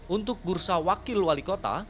untuk bursa wakil wali kota